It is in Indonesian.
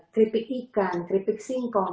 keripik ikan keripik singkong